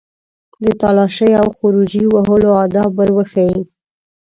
د تالاشۍ او خروجي وهلو آداب ور وښيي.